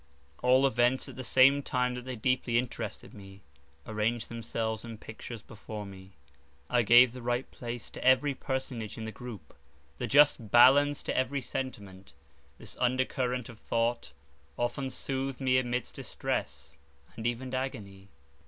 All events, at the same time that they deeply interested me, arranged themselves in pictures before me. I gave the right place to every personage in the groupe, the just balance to every sentiment. This undercurrent of thought, often soothed me amidst distress, and even agony.